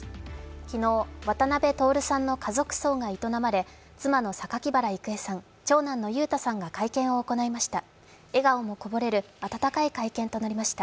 昨日、渡辺徹さんの家族葬が営まれ、妻の榊原郁恵さん、長男の裕太さんが会見を行いました。